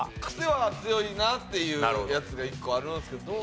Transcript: クセは強いなっていうやつが１個あるんですけど